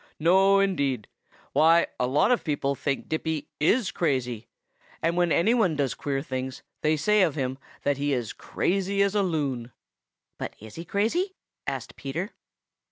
No, indeed! Why, a lot of people think Dippy is crazy, and when any one does queer things they say of him that he is 'crazy as a Loon.' "But is he crazy?" asked Peter.